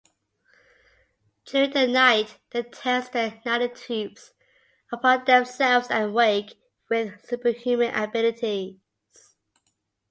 During the night they test the nanotubes upon themselves and awake with superhuman abilities.